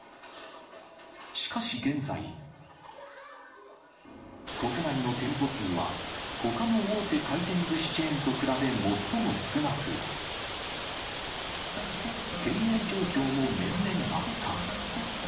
しかし現在、国内の店舗数は、ほかの大手回転ずしチェーンと比べ最も少なく、経営状況も年々悪化。